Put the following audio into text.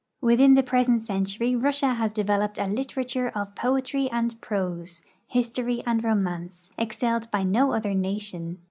Within the present century Russia has developed a literature of i^oetry and prose, history and romance, excelled by no other nation.